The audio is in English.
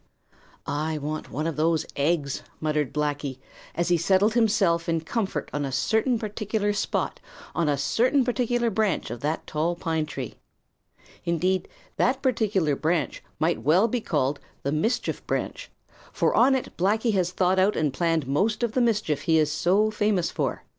"I want one of those eggs," muttered Blacky, as he settled himself in comfort on a certain particular spot on a certain particular branch of that tall pine tree. Indeed, that particular branch might well be called the "mischief branch," for on it Blacky has thought out and planned most of the mischief he is so famous for.